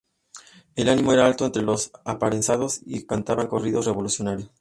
El ánimo era alto entre los apresados y cantaban corridos revolucionarios.